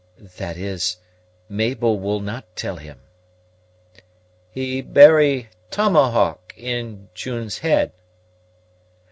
"That is, Mabel will not tell him." "He bury tomahawk in June's head."